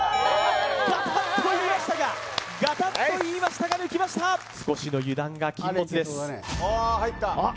ガタッといいましたがガタッといいましたが抜きました少しの油断が禁物ですあっ